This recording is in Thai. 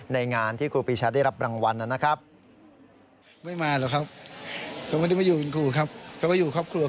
ในงานที่ครูปีชัตริย์ได้รับรางวัลนะครับ